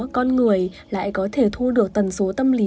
con người lại có thể thu được tần số tâm lý